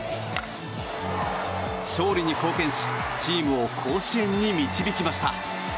勝利に貢献しチームを甲子園に導きました。